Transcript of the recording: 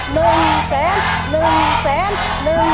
ได้